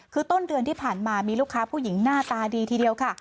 คือต้นเดือนที่ผ่านมามีลูกค้าผู้หญิงหน้าตาดีทีเดียวค่ะ